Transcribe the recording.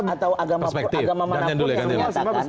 atau agama mana pun yang menyatakan